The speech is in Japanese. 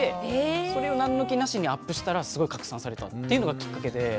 それを何の気なしにアップしたらすごい拡散されたっていうのがきっかけで。